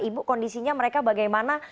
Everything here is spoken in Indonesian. ibu kondisinya mereka bagaimana